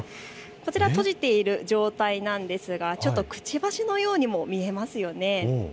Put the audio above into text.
こちらは閉じている状態なんですが、くちばしのようにも見えますよね。